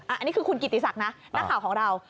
อันนี้คือคุณกิติศักดิ์นะนักข่าวของเรา